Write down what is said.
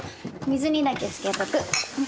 水にだけ漬けとく。